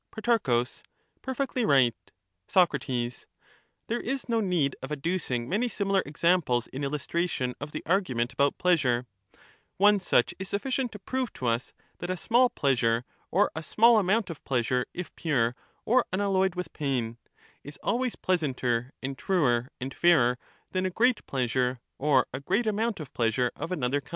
Pro. Perfectly right. Soc. There is no need of adducing many similar examples in illustration of the argument about pleasure ; one such is sufficient to prove to us that a small pleasure or a small amount of pleasure, if pure or unalloyed with pain, is always pleasanter and truer and fairer than a great pleasure or a great amount of pleasure of another kind.